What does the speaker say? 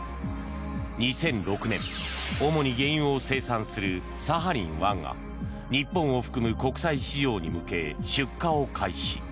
２００６年主に原油を生産するサハリン１が日本を含む国際市場に向け出荷を開始。